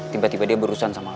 tiba tiba dia berurusan sama